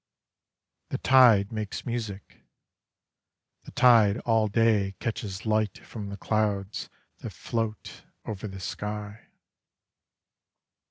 The tide makes music: The tide all day Catches light from the clouds That float over the sky.